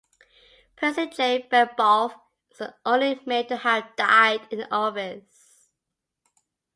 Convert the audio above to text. Percy J. Benbough is the only mayor to have died in office.